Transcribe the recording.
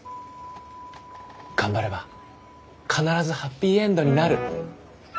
頑張れば必ずハッピーエンドになる。